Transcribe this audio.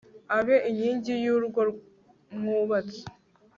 abe inkingi y'urwo mwubatse